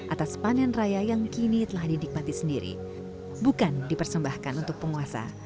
atas panen raya yang kini telah didikmati sendiri bukan dipersembahkan untuk penguasa